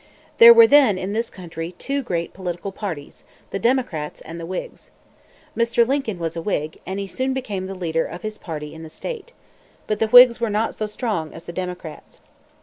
There were then, in this country, two great political parties, the Democrats and the Whigs. Mr. Lincoln was a Whig, and he soon became the leader of his party in the state. But the Whigs were not so strong as the Democrats.